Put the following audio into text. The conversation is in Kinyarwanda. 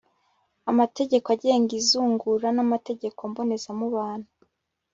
amategeko agenga izungura n'amategeko mbonezamubano